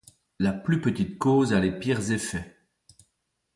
La plus petite cause. a les pires effets.